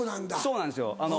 そうなんですよ